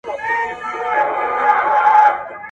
د پلار شخصیت د ولس په منځ کي په رښتينولۍ او صداقت پېژندل کيږي.